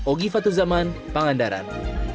ogi fatuzaman pangandaran